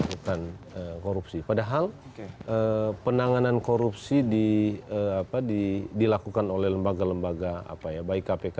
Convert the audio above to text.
bukan korupsi padahal penanganan korupsi di apa dilakukan oleh lembaga lembaga apa ya baik kpk